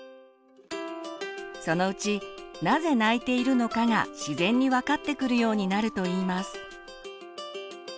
そのうちなぜ泣いているのかが自然に分かってくるようになるといいます。